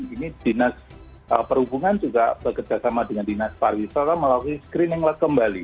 ini dinas perhubungan juga bekerjasama dengan dinas pariwisata melakukan screening kembali